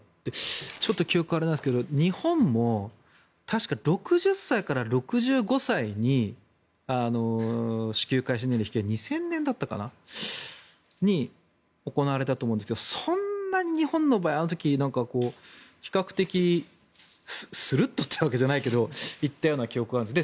ちょっと記憶があれなんですけど日本も確か６０歳から６５歳に支給開始年齢引き上げ２０００年だったかに行われたと思うんですがそんなに日本の場合、あの時比較的スルッと行ったわけじゃないけど行ったような記憶があるんです。